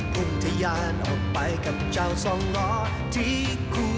คงทะยานออกไปกับเจ้าสองล้อที่คู่